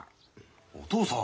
お父さん。